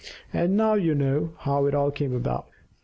And now you know how it all came about.